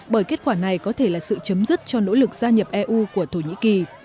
bởi kết quả này có thể là sự chấm dứt cho nỗ lực gia nhập eu của thổ nhĩ kỳ